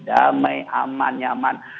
damai aman nyaman